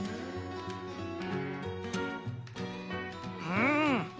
うん！